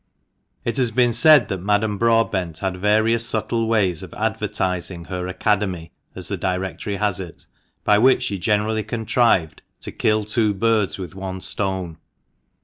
IT has been said that Madame Broadbent had various subtle ways of advertising' her "Academy" (as the directory has it), by which she generally contrived to "kill two birds with one stone."